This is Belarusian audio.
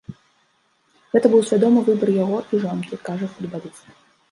Гэта быў свядомы выбар яго і жонкі, кажа футбаліст.